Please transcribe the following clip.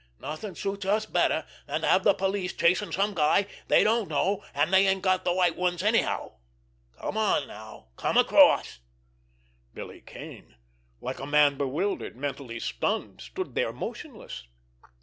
Nothing suits us better than to have the police chasing some guy they don't know, and that ain't got the white ones anyhow! Come on now, come across!" Billy Kane, like a man bewildered, mentally stunned, stood there motionless.